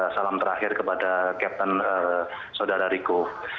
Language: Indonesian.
salam terakhir kepada kapten saudara riko